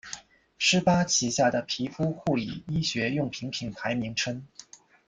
施巴旗下的皮肤护理医学用品品牌名称。